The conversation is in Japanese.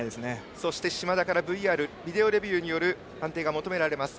そして嶋田からＶＲ＝ビデオレビューによる判定が求められます。